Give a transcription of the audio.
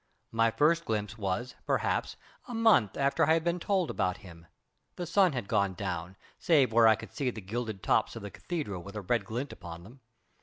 My first glimpse was, perhaps, a month after I had been told about him. The sun had gone down, save where I could see the gilded tops of the Cathedral with a red glint upon them.